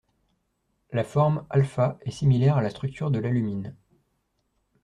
La forme α est similaire à la structure de l'alumine.